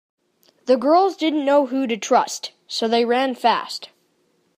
The girls didn’t know who to trust so they ran fast.